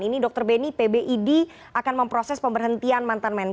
ini dr benny pbid akan memproses pemberhentian mantan menteri